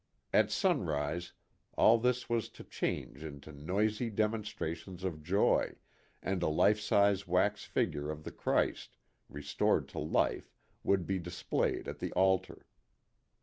At sunrise all this was to change into noisy demonstrations of joy, and a life size wax figure of the Christ, restored to life, would be dis played at the altar.